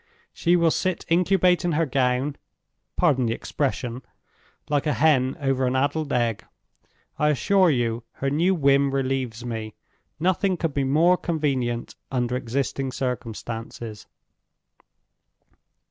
She will sit incubating her gown—pardon the expression—like a hen over an addled egg. I assure you, her new whim relieves me. Nothing could be more convenient, under existing circumstances."